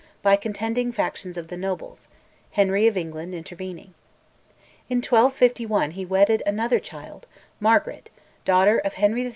by contending factions of the nobles, Henry of England intervening. In 1251 he wedded another child, Margaret, daughter of Henry III.